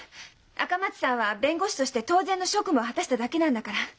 赤松さんは弁護士として当然の職務を果たしただけなんだから。